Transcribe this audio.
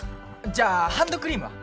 じゃあハンドクリームは？